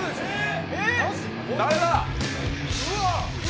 誰だ？